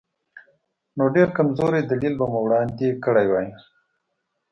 نو ډېر کمزوری دلیل به مو وړاندې کړی وي.